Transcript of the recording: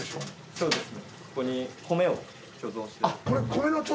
そうですね